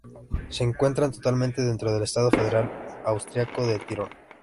Se encuentran totalmente dentro del estado federal austriaco de Tirol.